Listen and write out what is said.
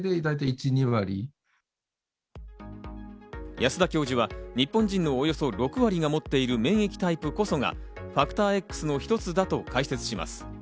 保田教授は日本人のおよそ６割が持っている免疫タイプこそがファクターＸの一つだと解説します。